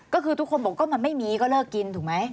ก็คือทุกคนบอกว่ามันไม่มีก็เลิกกินถูกไหม